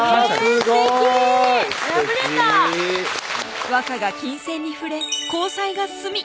すてき和歌が琴線に触れ交際が進み